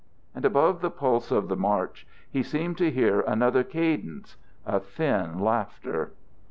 And above the pulse of the march he seemed to hear another cadence, a thin laughter.